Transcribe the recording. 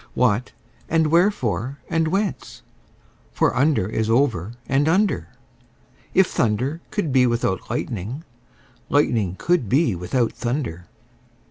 What, and wherefore, and whence? for under is over and under: If thunder could be without lightning, lightning could be without thunder.